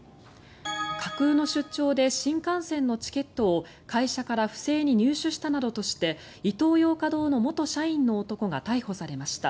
架空の出張で新幹線のチケットを会社から不正に入手したなどとしてイトーヨーカ堂の元社員の男が逮捕されました。